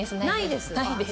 ないです？